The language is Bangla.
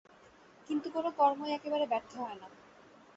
কিন্তু কোন কর্মই একেবারে ব্যর্থ হয় না।